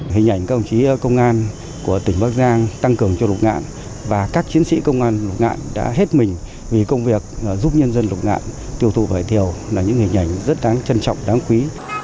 hình ảnh các ông chí công an của tỉnh bắc giang tăng cường cho lục ngạn và các chiến sĩ công an lục ngạn đã hết mình vì công việc giúp nhân dân lục nạn tiêu thụ vải thiều là những hình ảnh rất đáng trân trọng đáng quý